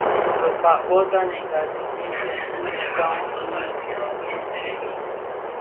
Bekpag bo tanenga di nhyesen bi dhikpaň bi duńzi.